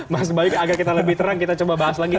mas bayu agar kita lebih terang kita coba bahas lagi